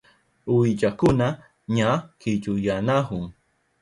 Uwillakuna ña killuyanahun.